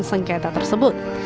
dan sengketa tersebut